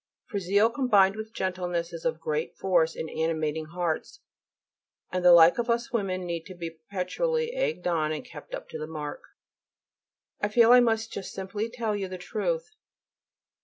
For zeal combined with gentleness is of great force in animating hearts, and the like of us women need to be perpetually egged on and kept up to the mark. I feel I must just simply tell you the truth.